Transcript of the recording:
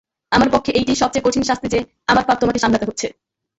আমার পক্ষে এইটেই সব চেয়ে কঠিন শাস্তি যে, আমার পাপ তোমাকে সামলাতে হচ্ছে।